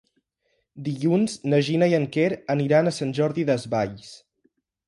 Dilluns na Gina i en Quer aniran a Sant Jordi Desvalls.